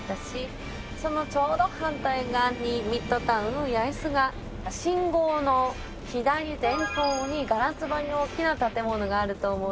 そのちょうど反対側にミッドタウン八重洲が信号の左前方にガラス張りの大きな建物があると思うんですけど。